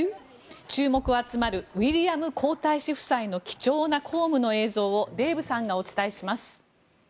注目集まるウィリアム皇太子夫妻の貴重な公務の映像をデーブさんがお伝えします。